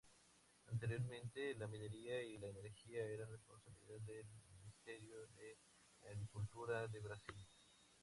Anteriormente, la minería y la energía eran responsabilidad del Ministerio de Agricultura de Brasil.